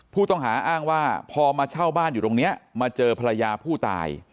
ผู้ต้องหาอ้างว่าพอมาเช่าบ้านอยู่ตรงนี้มาเจอภรรยาผู้ตาย